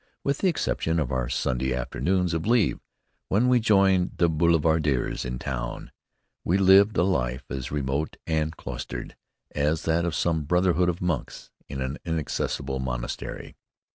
With the exception of our Sunday afternoons of leave, when we joined the boulevardiers in town, we lived a life as remote and cloistered as that of some brotherhood of monks in an inaccessible monastery.